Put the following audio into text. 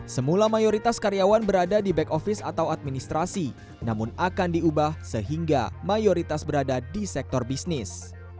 semula mayoritas karyawan berada di back office atau administrasi namun akan diubah sehingga mayoritas berada di sektor bisnis